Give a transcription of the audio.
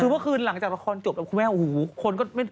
คือเมื่อคืนหลังจากละครจบครูแม่อ่ะโอ้โห